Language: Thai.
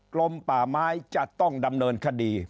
ลมป่าไม้จะต้องดำเนินคดี